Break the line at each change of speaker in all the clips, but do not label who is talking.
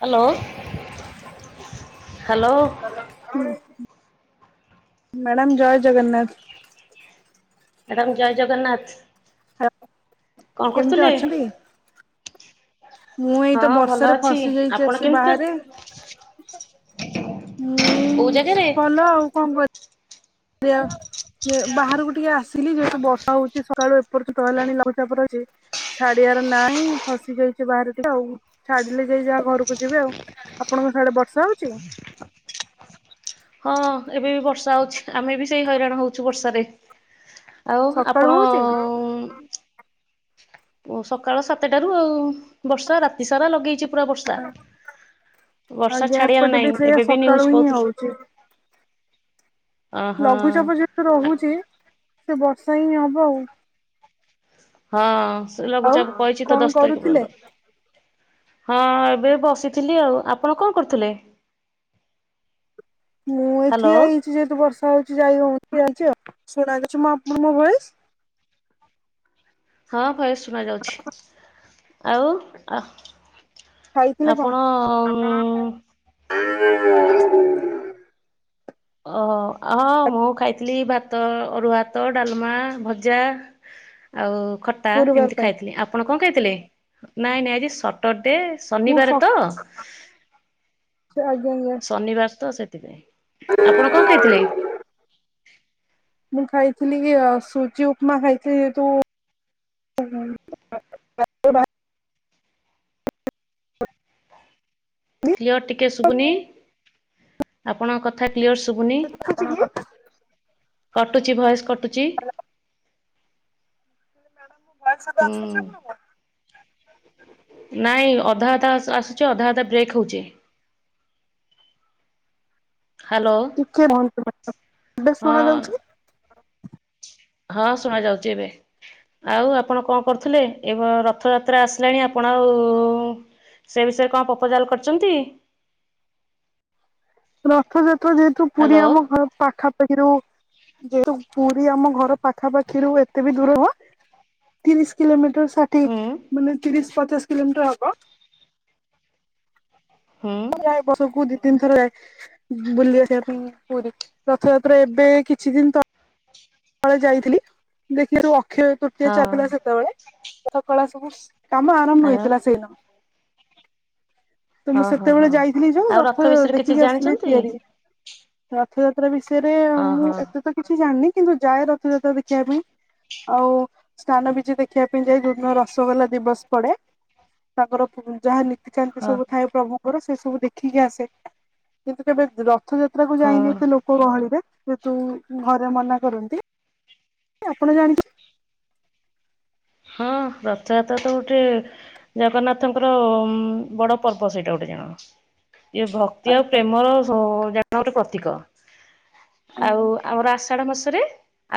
Hello.
Hello. [unintelligible] Madam ଜୟ Jagannath.
Madam ଜୟ ଜଗନ୍ନାଥ।
ହା
କଣ
କେମିତି
କରୁଥିଲେ?
ଅଛନ୍ତି? ମୁଁ
ହଁ
ଏଇତ
ଭଲ
ବର୍ଷାରେ
ଅଛି
ଫସି ଯାଇଛି
ଆପଣ
ଆସି
କେମିତି ଅ
ବାହାରେ। ମୁଁ
କୋଉ ଜାଗାରେ?
ଭଲ ଆଉ କଣ କର୍ ରିଆ? ଯେ ବାହାରୁକୁ ଟିକେ ଆସିଲି ଯେହେତୁ ବର୍ଷା ହଉଛି ସକାଳୁ ଏପର୍ଯ୍ୟନ୍ତ ହେଲାଣି ଲଘୁଚାପ ରହିଛି ଛାଡିଆର ନାହିଁ ଫସି ଯାଇଛି ବାହାରେ ଟିକେ ଆଉ। ଛାଡିଲେ ଯାଇ ଯାହା ଘରୁକୁ ଯିବି ଆଉ। ଆପଣଙ୍କ ସାଡେ ବର୍ଷା ହଉଚି?
ହଁ ଏବେ ବି ବର୍ଷା ହଉଛି। ଆମେ ବି ସେଇ ହଇରାଣ ହଉଛୁ ବର୍ଷାରେ। ଆଉ
ସକାଳୁ
ଆପଣ
ହଉଛି
ଅଁ ଓ ସକାଳ ସାତେଟାରୁ ଆଉ ବର୍ଷା ରାତି ସାରା ଲଗେଇଚି ପୁରା ବର୍ଷା। ବର୍ଷା
ଆଜ୍ଞା
ଛାଡିଆର
ଏପଟେ ବି
ନାହିଁ।
ସେଇଆ
ଏବେ ବି
ସକାଳୁ
ନ୍ୟୁଜ୍
ହିଁ
କହୁଥିଲେ
ହଉଛି
ଓହୋ।
ଲଘୁଚାପ ଯେହେତୁ ରହୁଛି, ସେ ବର୍ଷା ହିଁ ହବ ଆଉ।
ହଁ ସେ
ଆଉ
ଲଘୁଚାପ କହିଛି ତ
କଣ
ଦଶ ତାରିଖ
କରୁଥିଲେ?
ପର୍ଯ୍ୟନ୍ତ। ହଁ ଏବେ ବସିଥିଲି ଆଉ, ଆପଣ କଣ କରୁଥିଲେ?
ମୁଁ ଏଇ
ହ୍ୟାଲୋ
ଠିଆ ହେଇଛି ଯେହେତୁ ବର୍ଷା ହଉଛି ଯାଇ ହଉନି ଠିଆ ହେଇଚି ଆଉ। ଶୁଣାଯାଉଛି ମ ଆପଣ ମୋ ଭଏସ୍?
ହଁ ଭଲରେ ଶୁଣା ଯାଉଛି, ଆଉ ଅ
ଖାଇଥିଲେ କଣ
ଆପଣ ଉଁ
[inaudible]
ଓ ହଁ ମୁଁ ଖାଇଥିଲି ଭାତ ଅରୁଆ ଭାତ, ଡାଲମା, ଭଜା ଆଉ ଖଟା
ଗୁରୁବାର
ଏମିତି
ପାଇଁ
ଖାଇଥିଲି, ଆପଣ କଣ ଖାଇଥିଲେ? ନାଇଁ ନାଇଁ ଆଜି ସଟର ଡେ
ମୁଁ ସ
ଶନିବାର ତ।
ଆଜ୍ଞା ଆଜ୍ଞା
ଶନିବାର ତ ସେଥିପାଇଁ, ଆପଣ କଣ ଖାଇଥିଲେ?
ମୁଁ ଖାଇଥିଲି କି ସୁଜି ଉପମା ଖାଇଥିଲି, ଯେହେତୁ [unintelligible]
କ୍ଲିୟର୍ ଟିକେ ଶୁଭୁନି, ଆପଣଙ୍କ କଥା କ୍ଲିୟର୍ ଶୁଭୁନି? କଟୁଛି ଭଏସ କଟୁଛି
ଭଏସ୍ ଏବେ ଆସୁଚି
ହୁଁ
ଆପଣଙ୍କୁ?
ନାଇଁ ଅଧା ଅଧା ଆସୁଛି, ଅଧା ଅଧା ବ୍ରେକ୍ ହଉଛି। ହ୍ୟାଲୋ
[unintelligible]
ହଁ
ଶୁଣା ଯାଉଛି।
ହଁ ଶୁଣା ଯାଉଛି ଏବେ। ଆଉ ଆପଣ କଣ କରୁଥିଲେ? ଏବେ ରଥଯାତ୍ରା ଆସିଲାଣି ଆପଣ ଆଉ ସେ ବିଷୟରେ କଣ ପ୍ରପୋଜାଲ କରିଛନ୍ତି?
ରଥଯାତ୍ରା ଯେହେତୁ, ପୁରୀ
ହ୍ୟାଲୋ
ଆମ ଘର ପାଖାପାଖିରୁ ଯେଉ ପୁରୀ ଆମ ଘର ପାଖାପାଖିରୁ ଏତେ ବି ଦୂର ନୁହଁ, ତିରିଶ କିଲୋମିଟର ଷାଠିଏ
ହୁଁ
ମାନେ ତିରିଶ ପଚାଶ କିଲୋମିଟର ହବ।
ହୁଁ
[unintelligible] ତିନି ଥର ଯାଏ, ବୁଲି ଆସିବା ପାଇଁ ପୁରୀ। ରଥଯାତ୍ରା ଏବେ କିଛି ଦିନ ତ ତଳେ ଯାଇଥିଲି, ଦେଖି ସବୁ ଅକ୍ଷୟ ତୃତୀଆ
ହଁ
ଚାଲିଥିଲା ସେତେବେଳେ କଳା ସବୁ କାମ
ଆ
ଆରମ୍ଭ ହୋଇଥିଲା ସେଇ ଦିନ। ତ ମୁଁ
ହଁ ହଁ
ସେତେବେଳେ
ହଁ
ଯାଇଥିଲି ଯୋଉ,
ଆଉ
ରଥ
ବିଷୟରେ କିଛି
ଦେଖିକି ଆସିଥିଲି
ଜାଣିଛନ୍ତି
ତିଆରି ରଥଯାତ୍ରା ବିଷୟରେ ମୁଁ
ଓହୋ
ଏତେ ତ କିଛି ଜାଣିନି, କିନ୍ତୁ ଯାଏ ରଥଯାତ୍ରା ଦେଖିବା ପାଇଁ। ଆଉ ସ୍ନାନ ବିଜେ ଦେଖିବା ପାଇଁ, ଯୋଉଦିନ ରସଗୋଲା ଦିବସ ପଡେ। ତାଙ୍କର ଯାହା ନୀତିକାନ୍ତି
ହଁ
ସବୁ ମୁଁ ମୋର ସେ ସବୁ ଦେଖିକି ଆସେ, କିନ୍ତୁ କେବେ ରଥଯାତ୍ରାକୁ
ହଁ
ଯାଇନି ଏତେ ଲୋକ ଗହଳିରେ। ଯେହେତୁ ଘରେ ମନା କରନ୍ତି, ଆପଣ ଜାଣିଛ
ହଁ ରଥଯାତ୍ରା ତ ଗୋଟେ, ଜଗନ୍ନାଥଙ୍କର ବଡ ପର୍ବ ସେଇଟା ଗୋଟେ। ଣ ଇଏ ଭକ୍ତି ଆଉ
ଆଜ୍ଞା
ପ୍ରେମର [unintelligible] ଗୋଟେ ପ୍ରତୀକ। ଆଉ
ଆଜ୍ଞା
ଆମର ଆଷାଢ ମାସରେ,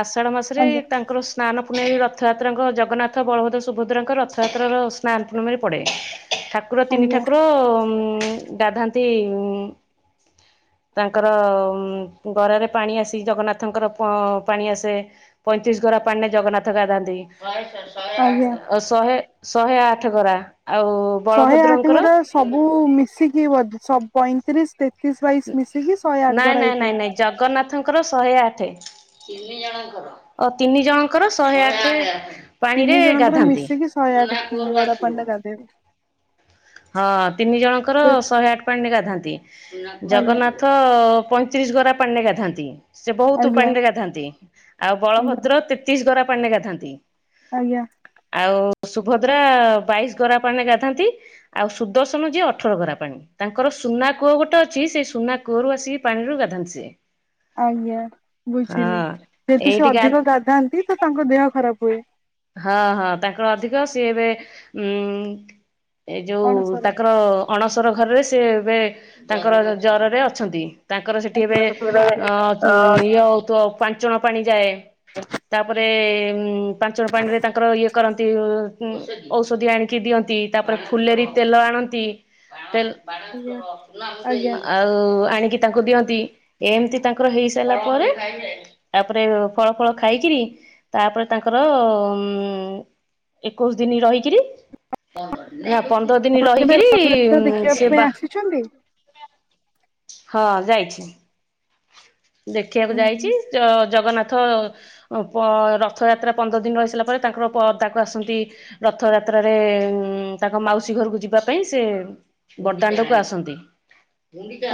ଆଷାଢ ମାସରେ
ଆଜ୍ଞା
ତାଙ୍କର ସ୍ନାନ ପୂର୍ଣମୀ ରଥଯାତ୍ରାଙ୍କ ଜଗନ୍ନାଥ, ବଳଭଦ୍ର, ସୁଭଦ୍ରାଙ୍କ ରଥଯାତ୍ରାର ସ୍ନାନ ପୂର୍ଣ୍ଣିମରେ ପଡ଼େ। ଠାକୁର ତିନି
ଆଜ୍ଞା
ଠାକୁର ଉଁ ଗାଧାନ୍ତି ଉଁ ତାଙ୍କର ଗରାରେ ପାଣି ଆସି, ଜଗନ୍ନାଥଙ୍କର ପାଣି ଆସେ ପଇଁତିରିଶ ଗର ରା ପାଣିରେ ଜଗନ୍ନାଥ ଗାଧାନ୍ତି,
ଆଜ୍ଞା।
ଶହେ ଶହେ ଆଠ ଗରା। ଆଉ
ଶହେ ଆଠ
ବଳଭଦ୍ରଙ୍କର
ଗରା ସବୁ ମିଶିକି ବୋଧେ? ପଇଁତିରିଶ ତେତିଶ ବାଇଶ ମିଶିକି ଶହେ ଆଠ
ନାଇଁ
ଘର
ନାଇଁ
ହେଇଥାଏ।
ନାଇଁ ନାଇଁ ଜଗନ୍ନାଥଙ୍କର ଶହେ ଆଠେ। ଓ ତିନି ଜଣଙ୍କର ଶହେ ଆଠେ ପାଣିରେ
ତିନି ଜଣଙ୍କର
ଗାଧାନ୍ତି।
ମିଶିକି ଶହେ ଆଠ ଗରା ପାଣିରେ ଗାଧେଇବେ
ହଁ ତିନି ଜଣଙ୍କର
ସେ
ଶହେ ଆଠ ପାଣିରେ ଗାଧାନ୍ତି।
ଆଜ୍ଞା
ଜଗନ୍ନାଥ ପଇଁତିରିଶ ଗରା ପାଣିରେ ଗାଧାନ୍ତି, ସେ ବହୁତ
ଆଜ୍ଞା
ପାଣିରେ ଗାଧାନ୍ତି। ଆଉ
ଆଜ୍ଞା
ବଳଭଦ୍ର ତେତିଶ ଗରା ପାଣିରେ ଗାଧାନ୍ତି।
ଆଜ୍ଞା।
ଆଉ ସୁଭଦ୍ରା ବାଇଶ ଗରା ପାଣିରେ ଗାଧାନ୍ତି। ଆଉ ସୁଦର୍ଶନ ଯିଏ ଅଠର ଘରା ପାଣି। ତାଙ୍କର ସୁନା କୂଅ ଗୋଟେ ଅଛି ସେଇ ସୁନା କୂଅରୁ ଆସିକି ପାଣିରୁ ଗାଧ ଧାନ୍ତି ସେ।
ଆଜ୍ଞା ବୁଝିଲି ଯେହେତୁ ସେ
ଏଇଠି ଗା
ଅଧିକ ଗାଧାନ୍ତି, ତ ତାଙ୍କ ଦେହ ଖରାପ ହୁଏ।
ହଁ ହଁ ତାଙ୍କର ଅଧିକ ସିଏ ଏବେ ଉଁ ଏ ଯୋଉ
ଅଣସର
ତାଙ୍କର ଅଣସର ଘରରେ ସେ ଏବେ ତାଙ୍କର ଜରରେ ଅଛନ୍ତି। ତାଙ୍କର ସେଇଠି ଏବେ
ଆଜ୍ଞା।
ଅ ଇଏ ହଉଥିବ ପାଞ୍ଚଣ ପାଣି ଯାଏ। ତାପରେ ଉ ପାଞ୍ଚଳ ପାଣିରେ ତାଙ୍କର ଇଏ କରନ୍ତି। ନ୍ତି, ଔଷଧି ଆଣିକି ଦିଅନ୍ତି ତାପରେ ଫୁଲେରି ତେଲ ଆଣନ୍ତି ତେଲ
ଆଜ୍ଞା ଆଜ୍ଞା
ଆଉ ଆଣି କି ତାଙ୍କୁ ଦିଅନ୍ତି ଏମିତି ତାଙ୍କର ହେଇ ସାରିଲା ପରେ ତାପରେ ଫଳ ଫଳ ଖାଇକିରି ତାପରେ ତାଙ୍କର ଉ ଏକୋଇଶ ଦିନ ରହିକିରି ନା ପନ୍ଦର ଦିନ
ଆପଣ କେବେ
ରହିକରି
ରଥଯାତ୍ରା ଦେଖିବା ପାଇଁ
ସେବା
ଆସିଛନ୍ତି? [inaudible]
ହଁ ଯାଇଚି। ଦେଖିବାକୁ ଯାଇଚି ଜ ଜଗନ୍ନାଥ ନ୍ନାଥ ଉ ପ ରଥ ରଥଯାତ୍ରା ପନ୍ଦର ଦିନ ରହିସାରିଲା ପରେ ତାଙ୍କର ପଦାକୁ ଆସନ୍ତି ରଥଯାତ୍ରା ତ୍ରାରେ ଉ ତାଙ୍କ ମାଉସୀ ଘରକୁ ଯିବା ପାଇଁ ସେ ବଡଦାଣ୍ଡକୁ ଆସନ୍ତି।।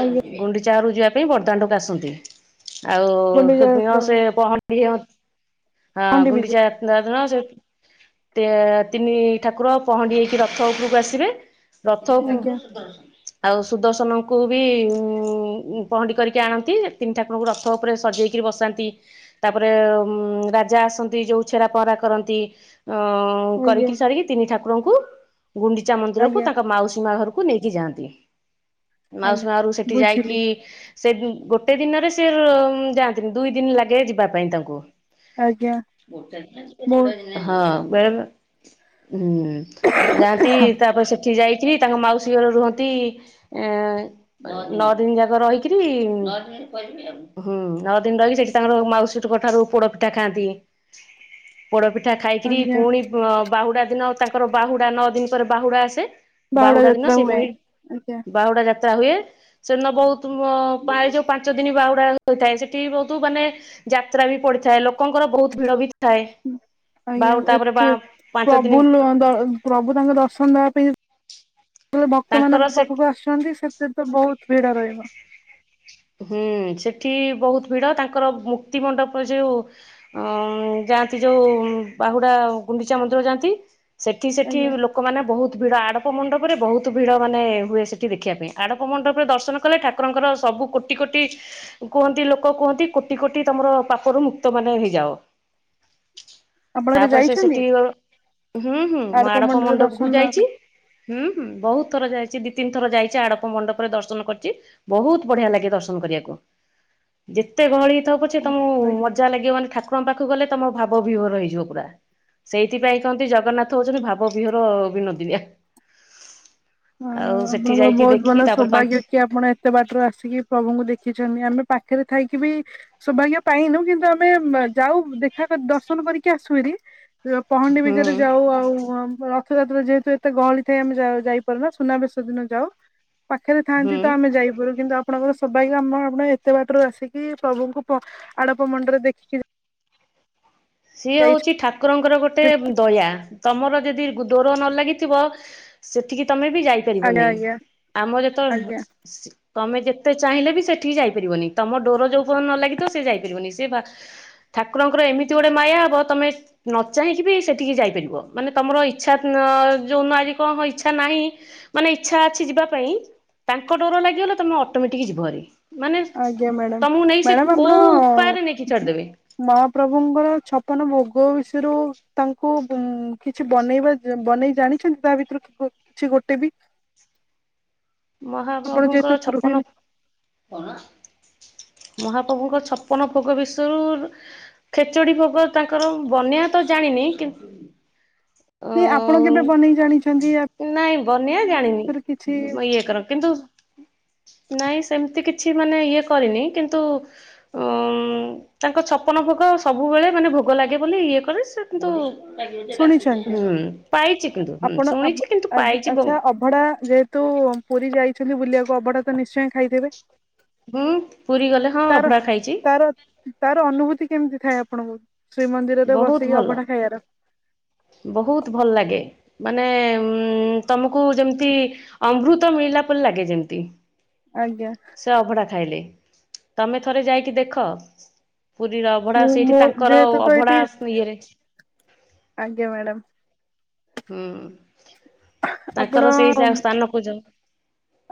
ଆଜ୍ଞା
ଗୁଣ୍ଡିଚାଘରକୁ ଯିବା ପାଇଁ ବଦଦାଣ୍ଡକୁ ଆସନ୍ତି।
ଗୁଣ୍ଡିଚା
ଆଉ ସେ
ଯାତ୍ରାକୁ
ପହଣ୍ଡିଅ ହଁ
ଖଣ୍ଡି ବିଜେ
ଗୁଣ୍ଡିଚା ଯାତ୍ରା ଦିନ ସେ ତେ ତିନି ଠାକୁର ପହଣ୍ଡି ହେଇକି ରଥ ଉପରକୁ ଆସିବେ। ରଥକୁ
ଆଜ୍ଞା
ଆଉ ସୁଦର୍ଶନକୁ ବି ଉ ପହଁଣ୍ଡି କରିକି ଆଣ ନ୍ତି ତିନି ଠାକୁରଙ୍କୁ ରଥ ଉପରେ ସଜେଇକି ବସାନ୍ତି, ତାପରେ ରାଜା ଆସନ୍ତି ଯୋଉ ଛେରା ହରା କରନ୍ତି। ଅ
ଆଜ୍ଞା।
କରିକି ସାରିକି ତିନି ଠାକୁରଙ୍କୁ ଗୁଣ୍ଡିଚା ମନ୍ଦିରକୁ
ଆଜ୍ଞା
ତାଙ୍କ ମାଉସୀ ମା ଘରକୁ ତାକୁ ନେଇକି ଯାଆନ୍ତି, ମାଉସି
ଆଜ୍ଞା
ମା ଘରୁ ସେଠି
ବୁଝିଲି
ଯାଇକି ସେ ଗୋଟେ ଗୋଟେ ଦିନରେ ସେ ଯାଆନ୍ତିନି ଦୁଇ ଦିନ ଲାଗେ ଯିବା ପାଇଁ ତାଙ୍କୁ।
ଆଜ୍ଞା ମୋ
ହଁ ବେଳେବେଳେ ହୁଁ ଯାଆନ୍ତି ତାପରେ ସେ ଏଠି ଯାଇକରି ତାଙ୍କ ମାଉସୀ ଘରେ ରୁହନ୍ତି, ଏ ନଅ ଦିନ ଯାକ ରହିକିରି ହୁଁ ନଅ ଦିନ ରହିକି ସେଠି ତାଙ୍କର ମାଉସୀଙ୍କ ଠାରୁ ପୋଡ ପିଠା ଖାଆନ୍ତି।
[inaudible]
ପୋଡ଼ପିଠା ଖାଇକରି
ଆଜ୍ଞା
ପୁଣି ବାହୁଡ଼ା ଦିନ ତାଙ୍କର ବାହୁଡ଼ା ନଅ ଦିନ ପରେ ବାହୁଡ଼ା ଆସେ। ବାହୁଡା ଦିନ
ଯାତ୍ରା
ସେ
ହୁଏ
ପୁଣି
ଆଜ୍ଞା
ବାହୁଡା ଯାତ୍ ତା ହୁଏ, ସେ ଦିନ ବହୁତ ମ ପାଏ ଯୋଉ ପାଞ୍ଚ ଦିନ ବାହୁଡା ହୋଇଥାଏ, ସେଠି ବହୁତ ମାନେ ଯାତ୍ରା ବି ପଡିଥାଏ ଲୋକଙ୍କର ବହୁତ ଭିଡ ବି ହୁଏ।
ଆଜ୍ଞା ଏ ପେ ପ୍ରଭୁ ନୁହଁନ୍ତ ପ୍ରଭୁ ତାଙ୍କ ଦର୍ଶନ ଦବା ପାଇଁ ବଲେ ଭକ୍ତ
ତାଙ୍କର
ମାନଙ୍କ
ସେ
ପାଖକୁ ଆସୁଚନ୍ତି ସେଥିପାଇଁ ତ ବହୁତ ଭିଡ ରହିବ।
ହୁଁ ସେଠି ବହୁତ ଭିଡ, ତାଙ୍କର ମୁକ୍ତି ମଣ୍ଡପ ଯୋଉ ଅ ଯାଆନ୍ତି ଯୋଉ ବାହୁଡା ଗୁଣ୍ଡିଚା ମନ୍ଦିର ଯାଆନ୍ତି। ସେଠି ସେଠି
ଆଜ୍ଞା
ଲୋକମାନେେ ବହୁତ ଭିଡ ଆଡପ ଆଡ଼ପ ମଣ୍ଡପରେ ବହୁତ ଭିଡ଼ ମାନେ ହୁଏ ସେଠି ଦେଖିବା ପାଇଁ। ଆଡପ ମଣ୍ଡପରେ ଦର୍ଶନ କଲେ ଠାରଙ୍କର ସବୁ କୋଟି କୋଟି କୁହନ୍ତି ଲୋକ କୁହନ୍ତି କୋଟି କୋଟି ତମର ପାପରୁ ମୁକ୍ତ ମାନେ ହେଇଯାଅ।
ଆମ ଘରେ
ତାପରେ ସେ
ଯାଇଛନ୍ତି।
ସେଠି ହୁଁ ହୁଁ ମୁଁ ଆଡପ
ମଣ୍ଡରେ
ମଣ୍ଡପକୁୁ
ଦର୍ଶନ
ଯାଇଚି।
ଦେବା
ହୁଁ ହୁଁ ବହୁତ ଥର ଯାଇଚି ଦି ଦି ତିିନିଥର ଯାଇଛି ଆଡପ ମଣ୍ଡପରେ ଦର୍ଶନ କରିଛି ବହୁତ ବଢିଆ ଲାଗେ ଦର୍ଶ ର୍ଶନ କରିବାକୁ ଯେତେ ଗହଳି ହେଇଥାଉ ପଛେ
ପାଇଁ
ତମକୁ
ଆଜ୍ଞା
ମଜା ଲାଗିବ ମାନେ ଠାକୁରଙ୍କ ପାଖକୁ ପାଖକୁ ଗଲେ ତମ ଭାବ ବିଭୋର ହେଇଯିବ ପୁରା। ସେଇଥିପାଇଁ କହନ୍ତି ଜଗନ୍ନାଥ ହଉଚନ୍ତି ଭାବ ବିହୋର ବିନୋଦିନିଆ।
[inaudible] ହ
ଆଉ ସେଠି
ଆପଣଙ୍କର
ଯାଇକି
ବହୁତ
ଦେଖି
ଭଲ
ତାପରେ ପାଞ୍ଚ
ସୌଭାଗ୍ୟ କି ଆପଣ ଏତେ ବାଟ ରୁ ଆସିକି ପ୍ରଭୁଙ୍କୁ ଦେଖି ଦେଖିଛନ୍ତି ଆମେ ପାଖରେ ଥାଇକିବି ସୌଭାଗ୍ୟ ପାଇନୁ। କିନ୍ତୁ ଆମେ ଯାଉ ଦେଖା ଦର୍ଶନ କରିକି ଆସୁ ହେରି। ପହଣ୍ଡି
ହୁଁ
ବିଜେରେ ଯାଉ। ଆଉ ରଥଯାତ୍ରାରେ ଯେହେତୁ ଏତେ ଗହଳି ଥାଏ ଆମେ ଯା ଯାଇ ପାରୁନା ସୁନାବେଶ ଦିନ ଯାଉ। ପାଖରେ
ହୁଁ।
ଥାନ୍ତି ତ ଆମେ ଯାଇପାରୁ କିନ୍ତୁ ଆପଣଙ୍କର ସୌଭାଗ୍ୟ ଆମ ଆପଣ ଏତେ ବାଟରୁ ଆସିକି ପ୍ରଭୁଙ୍କୁ ଆଡପ ମୁଣ୍ଡରେ ଦେଖିକି
ସିଏ ହଉଛି
ଯାଇଛନ୍ତି
ଠାକୁରଙ୍କର ଗୋଟେ ଦୟା। ତମର ଯଦି ଡୋରନ ଲାଗିଥିବ ସେଠିକି ତମେ ବି
ଆଜ୍ଞା
ଯାଇପାରିବନେଇ।
ଆଜ୍ଞା
ଆମର ଯେତେ
ଆଜ୍ଞା
ତମେ ଯେତେ ଚାହିଁଲେ ବି ସେଠିକି ଯାଇପାରିବନି। ତମ ଡୋର ଯୋଉପଅନ୍ତ ନ ଲାଗିଥିବ ସେ ଯାଇପାରିବନି ସେ ଠାକୁରଙ୍କର ଏମିତି ଗୋଟେ ମାୟା ହବ ତମେ ନ ଚାହିଁକି ବି ସେଠିକି ଯାଇପାରିବ। ମାନେ ତମର ଇଚ୍ଛା ଯୋଉନ କଣ ହ ଇଚ୍ଛା ନାହିଁ ମାନେ ଇଛା ଅଛି ଯିବା ପାଇଁ ତାଙ୍କ ଡର ଲାଗିଗଲେ ତମେ ଅଟୋମେଟିକ ଯିବ ହେରି।
ଆଜ୍ଞା ମ୍ୟାଡାାମ, ମ୍ୟାଡାାମ ଆପଣ
କୋଉ ଉପାୟରେ ନେଇକି ଛାଡିଦେବେ
ମହାପ୍ରଭୁଙ୍କର ଛପନ ଭୋଗ ବିଷୟରୁ ତାଙ୍କୁ କିଛି ବନେଇବା ବନେଇ ଜାଣିଛନ୍ତି ତା ଭିତରୁ କିଛି ଗୋଟେ ବି? ଆପଣ
ମହାପ୍ରଭୁଙ୍କ
ଯେହେତୁ
ଛପନ
ଗୃହିଣୀ
ମହାପ୍ରଭୁଙ୍କ ଛପନ ଭୋଗ ବିଷୟରୁ ଖେଚୁଡି ଭୋଗ ତାଙ୍କର ବନ୍ୟା ତ ଜାଣିନି କିନ୍ତୁ ଅ
ନ ଆପଣ କେବେ ବନେଇ ଜାଣିଛନ୍ତି?
ନିଆଁ ଜାଣିନି
ଉପରେ କିଛି
ଇଏ କର କିନ୍ତୁ ନାଇଁ ସେମତି କିଛି ମାନେ ଇଏ କରିନି, କିନ୍ତୁ ଉ ତାଙ୍କ ଛପନ ଭୋଗ ସବୁବେଳେ ମାନେ ଭୋଗ ଲାଗେ ବୋଲି ଇଏ କରେ ସେ କିନ୍ତୁ
ଶୁଣିଛନ୍ତି
ହୁଁ ପାଇଛି କିନ୍ତୁ, ହଁ
ଆପଣ
ଶୁଣିଛି କିନ୍ତୁ ପାଇଛି ବ
ଆଚ୍ଛା ଅଭଡା ଯେହେତୁ ପୁରୀ ଯାଇଛନ୍ତି ବୁଲିବାକୁ ଅଭଢା ତ ନିଶ୍ଚୟ ଖାଇଥେବେ?
ହୁଁ ପୁରୀ ଗଲେ ହଁ
ତାର
ଅଭଡ଼ା ଖାଇଛି।
ତାର ତାର ଅନୁଭୂତି କେମିତି? ଥାଏ ଆପଣଙ୍କୁ ଶ୍ରୀମନ୍ଦିରରେ
ବହୁତ
ବସିକି
ଭଲ
ଅବଢା ଖାଇବାର
ବହୁତ ଭଲ ଲାଗେ। ମାନେ ଉ ତମକୁ ଯେମିତି ଅମୃତ ମିଳିଲା ପରେ ଲାଗେ ଯେମିତି।
ଆଜ୍ଞା
ସେ ଅଭଢା ଖାଇଲେ ତମେ ଥରେ ଯାଇକି ଦେଖ। ପୁରୀର ଅଭଢା
ମୁଁ
ସେଇଠି
ମୋ
ତାଙ୍କର
ଯେହେତୁ ତ ଏଇଠି
ଅଭଢା ଇଏରେ
ଆଜ୍ଞା ମ୍ୟାଡ଼ାମ୍।
ହୁଁ,
ଆପଣ
ତାଙ୍କର ସେଇ ସ୍ଥାନକୁ ଯାଓ।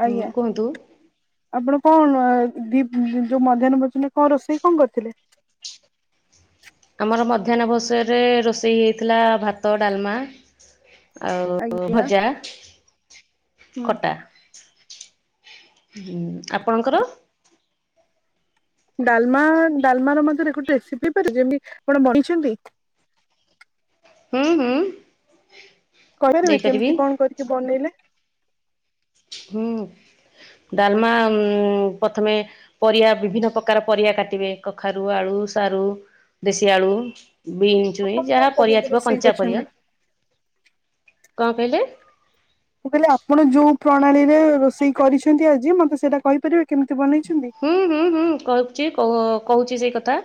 ଆଜ୍ଞା, ଆପଣ କନ ଡି ଯୋଉ ମଧ୍ୟାନ ଭୋ କଣ ରୋଷେଇ କଣ କରିଥିଲେ?
ଆମର ମଧ୍ୟାହ୍ନ ଭଷରେ ରୋଷେଇ ହେଇଥିଲା ଭାତ ଡାଲମା ଆଉ
ଆଜ୍ଞା
ଭଜା
ହୁଁ।
ଖଟା। ହୁଁ ଆପଣଙ୍କର?
ଡାଲମା ଡାଲମା ର ମଧ୍ୟ ଗୋଟେ ରେସିପି ଯେମିତି ଆପଣ ବନେଇଛନ୍ତି? [inaudible]
ହୁଁ ହୁଁ।
କହିପାରିବି
ଦେଇପାରିବି
କେମିତି କଣ କରିକି ବନେଇଲେ?
ହୁଁ। ଡାଲମା ଉ ପ୍ରଥମେ ପରିବା ବିଭିନ୍ନ ପ୍ରକାର ପରିବା କାଟିବେ କଖାରୁ ଆଳୁ ସାରୁ, ଦେଶୀ ଆଳୁ ବିଇଞ୍ଚୁଇ
ଆପଣ କଣ
ଯାହା ପରିବା
ପକେଇକି
ଥିବ
ରୋଷେଇ
କଞ୍ଚା ପରିବା।
କରିଛନ୍ତି?
କଣ କହିଲେ?
ମୁଁ କହିଲି ଆପଣ ଯୋଉ ପ୍ରଣାଳୀରେ ରୋଷେଇ କରିଛନ୍ତି ଆଜି ମତେ ସେଇଟା କହିପାରିବେ? କେମିତି ବନେଇଛନ୍ତି?
ହୁଁ ହୁଁ ହୁଁ କହୁଛି କହୁଛି ସେଇ କଥା।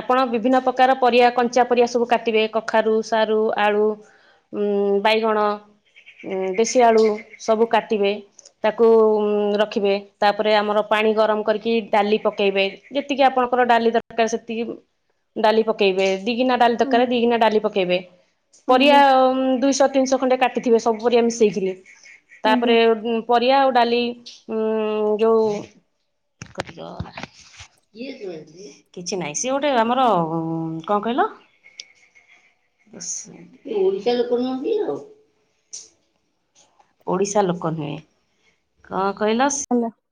ଆପଣ ବିଭିନ୍ନ ପ୍ରକାର ପରିବା କଞ୍ଚା ପରିବା ସବୁ କାଟିବେ କଖାରୁ ସାରୁ ଆଳୁ। ଉଁ ବାଇଗଣ। ଉଁ ଦେଶୀ ଆଳୁ ସବୁ କାଟିବେ ତାକୁ ରଖିବେ ତାପରେ ଆମର ପାଣି ଗରମ କରିକି ଡାଲି ପକେଇବେ, ଯେତିକି ଆପଣଙ୍କର ଡାଲି ଦରକାର ସେତିକି ଡାଲି ପକେଇବେ ଦି ଗିନା ଡାଲି ତରକାରୀରେ
ଆଜ୍ଞା
ଦି ଗିନା ଡାଲି ପକେଇବେ ପରିବା
ଆଜ୍ଞା
ଦୁ ଇଶ ଦୁଇଶ ଖଣ୍ଡେ କାଟିିଥିବେ ସବୁ ମିଶେଇକୀରି
ଆଜ୍ଞା
ତାପରେ ଉ ପରିବା ଡାଲି ଯୋଉ, କଟିଗଲା। କିଛି ନହିଁ ସିଏ ଗୋଟେ ଆମର କଣ କହିଲ? ଆ ଦଶ ମିନିଟ୍ ଓଡିଶା ଲୋକ ନୁହେ କଣ କହିଲ
ହେଲା।